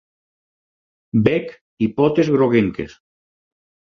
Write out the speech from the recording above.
Bec i potes groguenques.